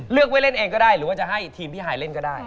เลือกไว้เล่นเองก็ได้หรือว่าจะให้ทีมพี่ฮายเล่นก็ได้